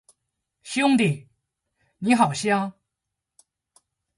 兄弟，你好香